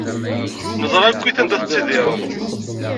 Neẓra akkit anida tettidireḍ.